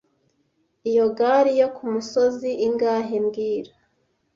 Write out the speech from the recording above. Iyo gare yo kumusozi ingahe mbwira